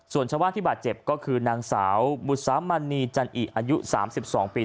ส่วนชาวบ้านที่บาดเจ็บก็คือนางสาวบุษามณีจันอิอายุ๓๒ปี